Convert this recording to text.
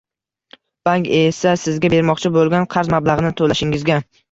Bank esa sizga bermoqchi boʻlgan qarz mablagʻini toʻlashingizga